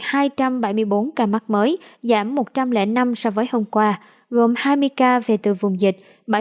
cần thơ ghi nhận hai trăm bốn mươi bốn ca mắc mới giảm một trăm linh năm so với hôm qua gồm hai mươi ca về từ vùng dịch